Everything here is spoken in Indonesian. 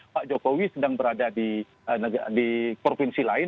pak jokowi sedang berada di provinsi lain